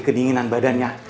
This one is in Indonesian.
kamu suka apa